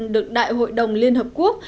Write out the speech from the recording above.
được đại hội đồng liên hợp quốc